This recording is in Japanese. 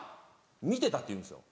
「みてた」って言うんですよ